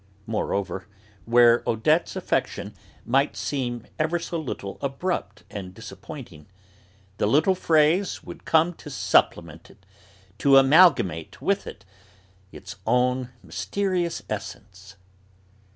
Moreover, where Odette's affection might seem ever so little abrupt and disappointing, the little phrase would come to supplement it, to amalgamate with it its own mysterious essence.